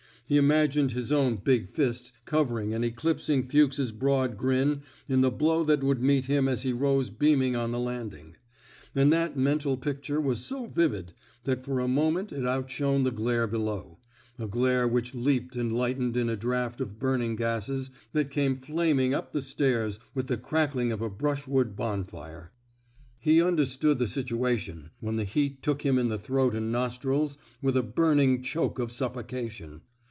He imagined his own big fist covering and eclipsing Fuchs 's broad grin in the blow that would meet him as he rose beaming on the landing; and that mental picture was so vivid that for a moment it outshone the glare below — a glare which leaped and lightened in a draft of burning gases that came flaming up the stairs with the crackling of a brush wood bonfire. He understood the situation when the heat took him in the throat and nostrils with a burning choke of suffocation.